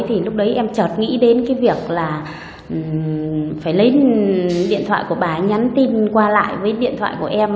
thì lúc đấy em trọt nghĩ đến cái việc là phải lấy điện thoại của bà nhắn tin qua lại với điện thoại của em